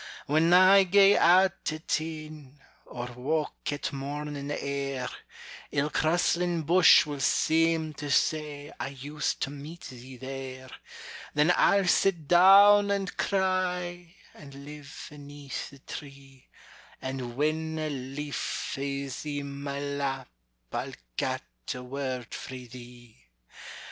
When I gae out at e'en, Or walk at morning air, Ilk rustling bush will seem to say I used to meet thee there: Then I'll sit down and cry, And live aneath the tree, And when a leaf fa's i' my lap, I'll ca't a word frae thee.